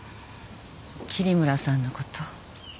桐村さんのこと？